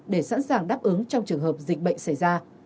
để sẵn sàng đáp ứng trong trường hợp dịch bệnh xảy ra